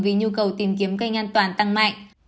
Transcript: vì nhu cầu tìm kiếm cây ngăn toàn tăng mạnh